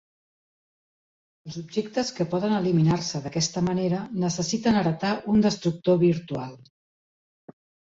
Els objectes que poden eliminar-se d'aquesta manera necessiten heretar un destructor virtual.